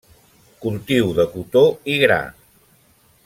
Cultiu de cotó i gra.